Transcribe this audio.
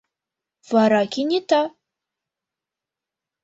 Вара кенета: